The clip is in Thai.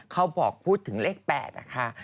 เขาบอกพูดถึงเลข๘นะคะ